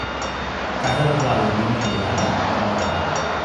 Casa arreglada i vinya criada, dona casada.